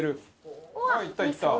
ああいったいった。